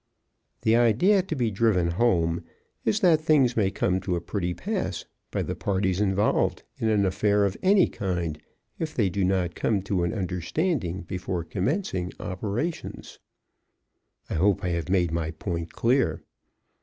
The idea to be driven home is that things may come to a pretty pass by the parties involved in an affair of any kind if they do not come to an understanding before commencing operations. I hope I have made my point clear.